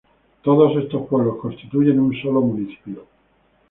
Todos estos pueblos constituyen un solo municipio.